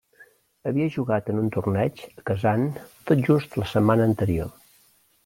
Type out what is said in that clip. Havia jugat en un torneig a Kazan tot just la setmana anterior.